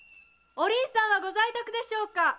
お凛さんはご在宅ですか？